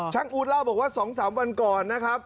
อู๊ดเล่าบอกว่า๒๓วันก่อนนะครับ